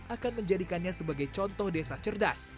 akan menjadikannya sebagai contoh desa cerdas